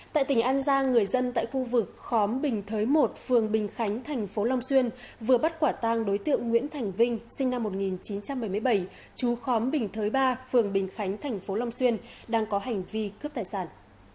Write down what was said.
tại tỉnh an giang người dân tại khu vực khóm bình thới một phường bình khánh thành phố long xuyên vừa bắt quả tang đối tượng nguyễn thành vinh sinh năm một nghìn chín trăm bảy mươi bảy chú khóm bình thới ba phường bình khánh thành phố long xuyên đang có hành vi cướp tài sản